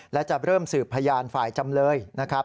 และจะเริ่มสืบพยานฝ่ายจำเลยนะครับ